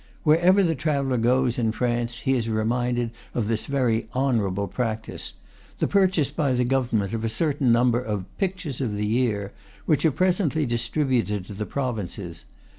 Wherever the traveller goes, in France, he is reminded of this very honorable practice, the purchase by the Government of a cer tain number of "pictures of the year," which are pre sently distributed in the provinces.